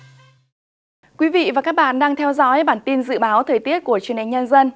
thưa quý vị và các bạn đang theo dõi bản tin dự báo thời tiết của truyền hình nhân dân